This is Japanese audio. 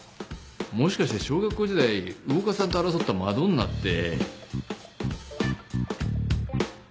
もしかして小学校時代魚勝さんと争ったマドンナって。